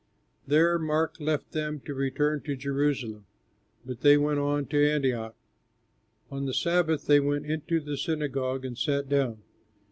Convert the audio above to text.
There Mark left them to return to Jerusalem, but they went on to Antioch. On the Sabbath they went into the synagogue and sat down.